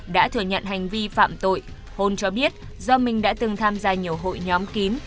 đã thừa nhận hành vi phạm tội hôn cho biết do minh đã từng tham gia nhiều hội nhóm kín